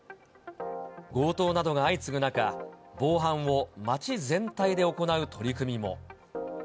強盗などが相次ぐ中、防犯を街全体で行う取り組みも。